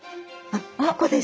あっ。